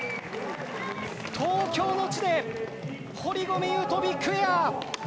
東京の地で堀米雄斗、ビッグエア！